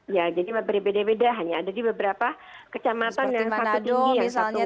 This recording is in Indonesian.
ya jadi berbeda beda hanya ada di beberapa kecamatan yang satu tinggi yang satu